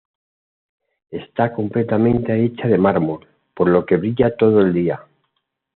Está completamente hecha de mármol, por lo que brilla todo el día.